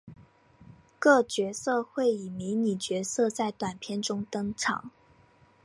各角色会以迷你角色在短篇中登场。